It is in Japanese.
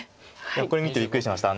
これ見てびっくりしました。